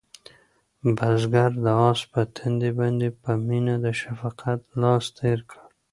بزګر د آس په تندي باندې په مینه د شفقت لاس تېر کړ.